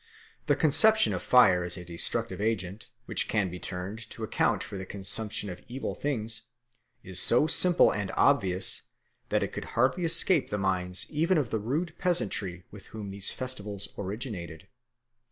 The conception of fire as a destructive agent, which can be turned to account for the consumption of evil things, is so simple and obvious that it could hardly escape the minds even of the rude peasantry with whom these festivals originated.